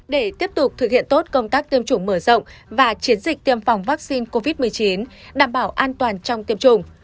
để tiếp tục thực hiện tốt công tác tiêm chủng mở rộng và chiến dịch tiêm phòng vaccine covid một mươi chín đảm bảo an toàn trong tiêm chủng